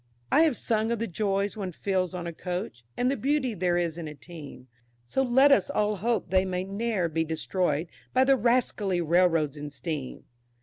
I have sung of the joys one feels on a Coach, And the beauty there is in a team, So let us all hope they may ne'er be destroyed By the rascally railroads and steam.